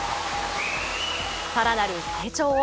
さらなる成長を。